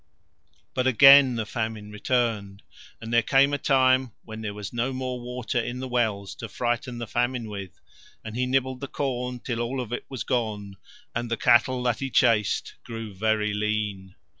But again the Famine returned, and there came a time when there was no more water in the wells to frighten the Famine with, and he nibbled the corn till all of it was gone and the cattle that he chased grew very lean.